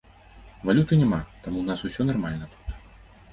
Валюты няма, таму ў нас усё нармальна тут.